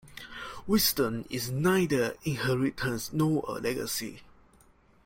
Wisdom is neither inheritance nor a legacy.